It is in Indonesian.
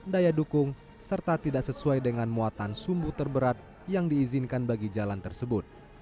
daya dukung serta tidak sesuai dengan muatan sumbu terberat yang diizinkan bagi jalan tersebut